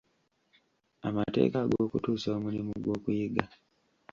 Amateeka ag'okutuusa omulimu gw'okuyiga.